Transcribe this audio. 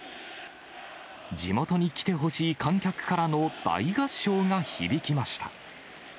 地元に来てほしい観客からの大合唱が響きました。